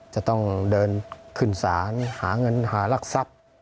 จะต้องเดินขึ้นศาลหาเงินหารักทรัพย์